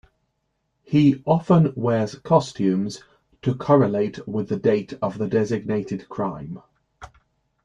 He often wears costumes to correlate with the date of the designated crime.